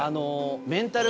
メンタル